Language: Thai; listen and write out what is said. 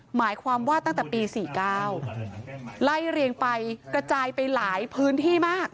หมายความว่าตั้งแต่ปี๔๙ไล่เรียงไปกระจายไปหลายพื้นที่มาก